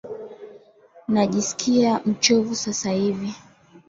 Najiskia mchovu sasa hivi.